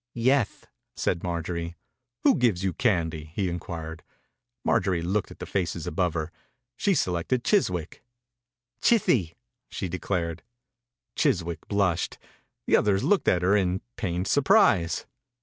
«Yeth," said Marjorie. "Who gives you candy?" he inquired. Marjorie looked at the faces above her. She selected Chiswick. "Chithy," she declared. Chiswick blushed. The others looked at her in pained sur prise.